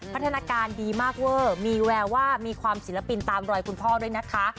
พัฒนาการดีมากเวอร์มีแววว่ามีความศิลปินตามรอยคุณพ่อด้วยนะคะ